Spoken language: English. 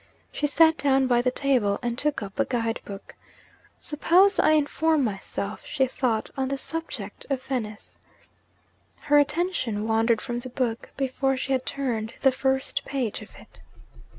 She sat down by the table, and took up a guide book. 'Suppose I inform myself,' she thought, 'on the subject of Venice?' Her attention wandered from the book, before she had turned the first page of it.